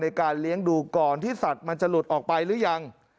ในการเลี้ยงดูก่อนที่สัตว์มันจะหลุดออกไปหรือยัง